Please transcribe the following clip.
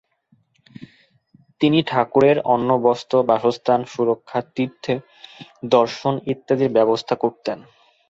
তিনি ঠাকুরের অন্নবস্ত্র, বাসস্থান, সুরক্ষা, তীর্থে দর্শন ইত্যাদির ব্যবস্থা করতেন।